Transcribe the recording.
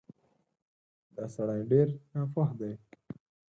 دا سړی ډېر ناپوه دی